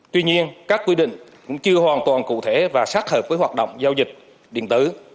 tuy nhiên các quy định cũng chưa hoàn toàn cụ thể và sát hợp với hoạt động giao dịch điện tử